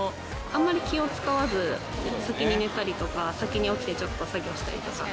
あまり気を遣わず先に寝たりとか先に起きてちょっと作業したりとか。